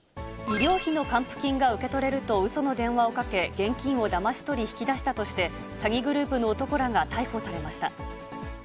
医療費の還付金が受け取れるとうその電話をかけ、現金をだまし取り引き出したとして、詐欺グループの男らが逮捕されました。